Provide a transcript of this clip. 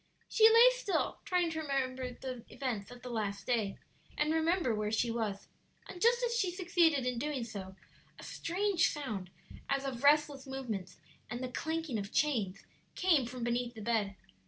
She lay still, trying to recall the events of the past day and remember where she was; and just as she succeeded in doing so a strange sound, as of restless movements and the clanking of chains, came from beneath the bed.